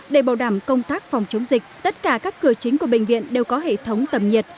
để bảo đảm công tác phòng chống dịch tất cả các cửa chính của bệnh viện đều có hệ thống tầm nhiệt